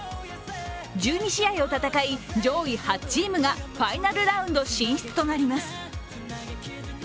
１２試合を戦い、上位８チームがファイナルラウンド進出となります。